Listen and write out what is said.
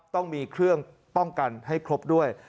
ต้องมีเครื่องป้องกันให้ครบด้วย